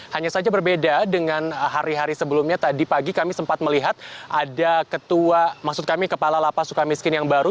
hanya saja berbeda dengan hari hari sebelumnya tadi pagi kami sempat melihat ada ketua maksud kami kepala lapas suka miskin yang baru